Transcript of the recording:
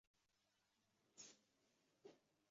Yangi kadr qoʻshib rivoyatni rasvo qilib yuborish mumkin.